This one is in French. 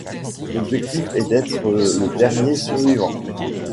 L'objectif est d'être le dernier survivant.